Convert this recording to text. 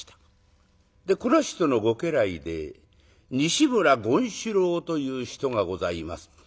この人のご家来で西村権四郎という人がございます。